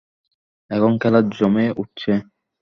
এখন খেলা জমে উঠছে।